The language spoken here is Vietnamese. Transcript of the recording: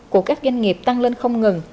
của các doanh nghiệp tăng lên không ngừng